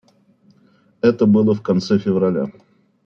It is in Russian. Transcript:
Это было в конце февраля.